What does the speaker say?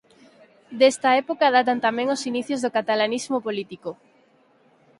Desta época datan tamén os inicios do catalanismo político.